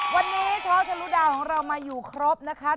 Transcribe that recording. วันนี้ท้อทะลุดาวของเรามาอยู่ครบนะคะ